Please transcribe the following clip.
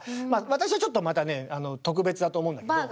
私はちょっとまたねあの特別だと思うんだけど。